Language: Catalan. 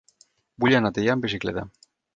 Vull anar a Teià amb bicicleta.